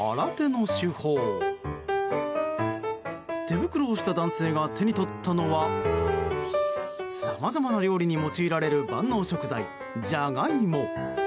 手袋をした男性が手に取ったのはさまざまな料理に用いられる万能食材ジャガイモ。